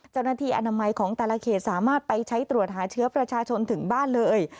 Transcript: อนามัยของแต่ละเขตสามารถไปใช้ตรวจหาเชื้อประชาชนถึงบ้านเลย